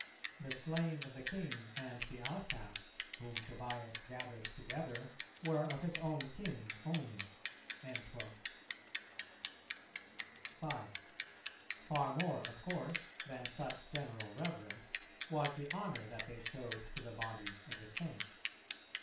The slain of the king and the outcasts, whom Tobias gathered together, were of his own kin only."[404:2] 5. Far more of course than such general reverence was the honour that they showed to the bodies of the Saints.